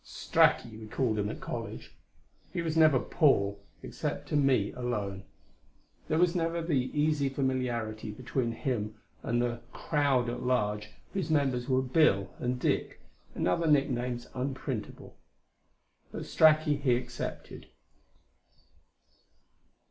'Straki,' we called him at college. He was never "Paul," except to me alone; there was never the easy familiarity between him and the crowd at large, whose members were "Bill" and "Dick" and other nicknames unprintable. But "Straki" he accepted.